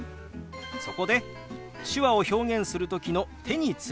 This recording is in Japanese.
そこで手話を表現する時の手についてです。